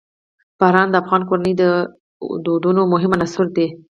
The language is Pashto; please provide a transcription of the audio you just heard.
باران د افغان کورنیو د دودونو مهم عنصر دی.